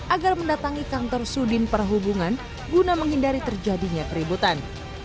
agar mendatangi kantor sudin perhubungan guna menghindari terjadinya keributan